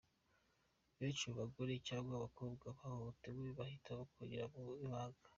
Benshi mu bagore cyangwa abakobwa bahohotewe bahitamo kuririra mu ibanga.